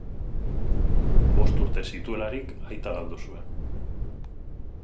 Bost urte zituelarik aita galdu zuen.